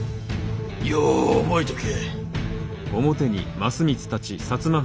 よう覚えとけ。